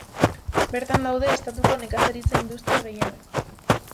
Bertan daude estatuko nekazaritza-industria gehienak.